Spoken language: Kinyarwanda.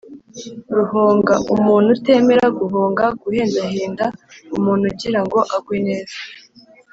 ruhonga: umuntu utemera guhonga, guhendahenda umuntu ugira ngo agwe neza)